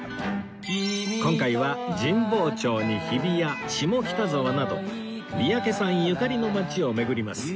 今回は神保町に日比谷下北沢など三宅さんゆかりの街を巡ります